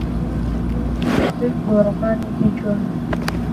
چ گۆڕەپانێکی جوانە!